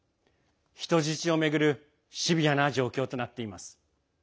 人質を巡るシビアな状況となっています。